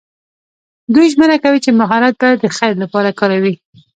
دوی ژمنه کوي چې مهارت به د خیر لپاره کاروي.